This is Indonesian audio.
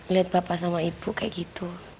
lihat bapak sama ibu kayak gitu